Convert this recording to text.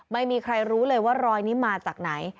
ไม่มีใครรู้เลยว่ารอยนี้มาจากไหน